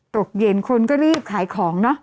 ตกเย็นคนก็รีบขายของเนอะ